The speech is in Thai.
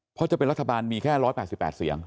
เพราะจะเป็นรัฐบาลมีแค่๑๘๘เสียง